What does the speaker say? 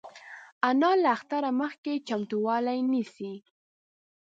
انا له اختره مخکې چمتووالی نیسي